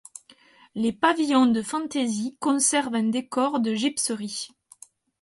Les pavillons de fantaisie conservent un décor de gypseries.